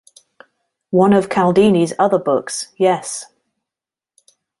One of Cialdini's other books, Yes!